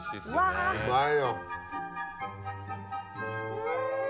うん！